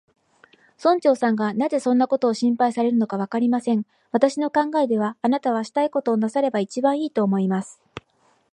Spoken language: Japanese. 村長さんがなぜそんなことを心配されるのか、わかりません。私の考えでは、あなたはしたいことをなさればいちばんいい、と思います。